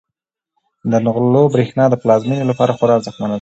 د نغلو برښنا د پلازمینې لپاره خورا ارزښتمنه ده.